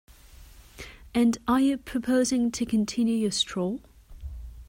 And are you proposing to continue your stroll?